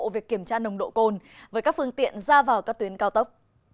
việc kiểm tra nồng độ cồn với các phương tiện ra vào các tuyến cao tốc